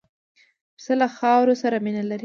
پسه له خاورو سره مینه لري.